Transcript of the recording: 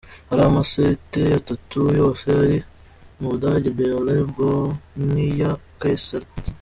Hari amasite atatu, yose ari mu Budage; Berlin, Bonn n’iya Kaiserslautern.